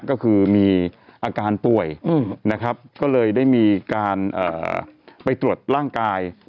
ก็คือมีอาการป่วยนะครับก็เลยได้มีการไปตรวจร่างกาย